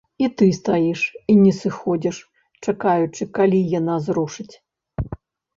І ты стаіш і не сыходзіш, чакаючы, калі яна зрушыць.